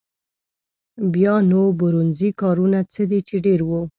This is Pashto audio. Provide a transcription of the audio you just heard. بیا نو برونزي کارونه څه دي چې ډېر وو.